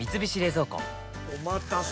おまたせ！